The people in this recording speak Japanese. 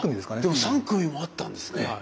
でも３組もあったんですね。